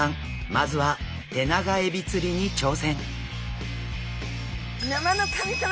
まずはテナガエビ釣りに挑戦。